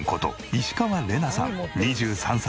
石川怜奈さん２３歳。